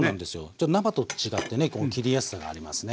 ちょっと生と違ってねこう切りやすさがありますね。